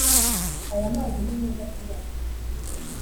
Aya mazi ni meza kuyanywa